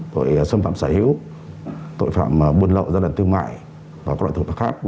tội xâm phạm xảy hữu tội phạm buôn lậu giai đoạn thương mại và các loại tội phạm khác